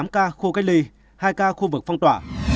hai mươi tám ca khu cách ly hai ca khu vực phong tỏa